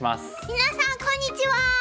皆さんこんにちは！